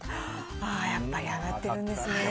ああ、やっぱり上がってるんですね。